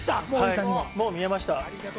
もう見えました。